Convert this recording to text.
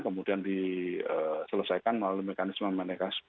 kemudian diselesaikan melalui mekanisme mekanisme